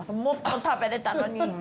「もっと食べれたのに！」